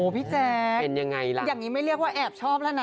พี่แจ๊คอย่างนี้ไม่เรียกว่าแอบชอบแล้วนะ